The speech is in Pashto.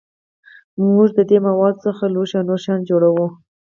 موږ د دې موادو څخه لوښي او نور شیان جوړوو.